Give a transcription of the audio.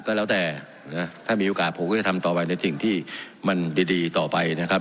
ก็แล้วแต่นะถ้ามีโอกาสผมก็จะทำต่อไปในสิ่งที่มันดีต่อไปนะครับ